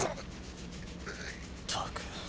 ったく。